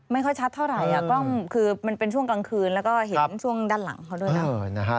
ไม่ค่อยชัดเท่าไหร่กล้องคือมันเป็นช่วงกลางคืนแล้วก็เห็นช่วงด้านหลังเขาด้วยนะ